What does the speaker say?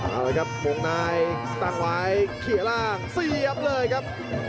เอาล่ะครับปรุงนายตั้งไหวเขียร่างเสียบเลยครับ